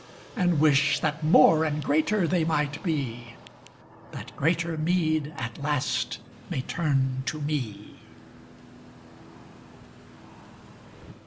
And wish that more and greater they might be, That greater meede at last may turn to me.